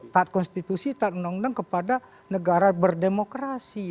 taat konstitusi taat undang undang kepada negara berdemokrasi